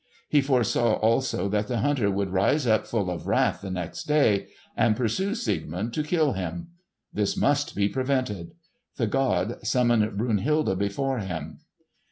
He foresaw also that the hunter would rise up full of wrath the next day, and pursue Siegmund to kill him. This must be prevented. The god summoned Brunhilde before him.